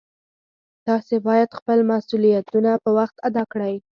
تاسې باید خپل مسؤلیتونه په وخت ادا کړئ